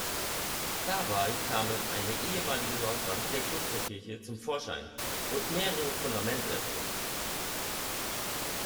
Dabei kamen eine ehemalige Nordwand der Klosterkirche zum Vorschein und mehrere Fundamentreste.